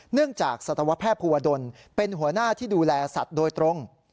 จากสัตวแพทย์ภูวดลเป็นหัวหน้าที่ดูแลสัตว์โดยตรง